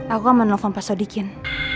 aku menelpon pak sodikin